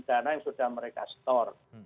dana yang sudah mereka store